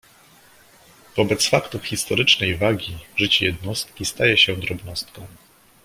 "Wobec faktów historycznej wagi życie jednostki staje się drobnostką."